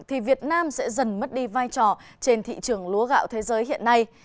thì việt nam sẽ dần mất đi vai trò trên thị trường lúa gạo thế giới hiện nay